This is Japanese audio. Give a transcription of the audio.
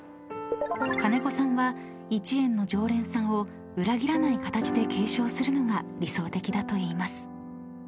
［金子さんは一圓の常連さんを裏切らない形で継承するのが理想的だと言います］